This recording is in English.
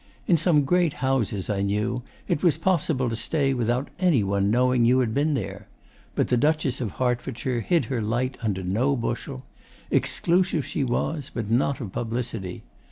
In some great houses, I knew, it was possible to stay without any one knowing you had been there. But the Duchess of Hertfordshire hid her light under no bushel. Exclusive she was, but not of publicity.